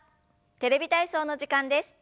「テレビ体操」の時間です。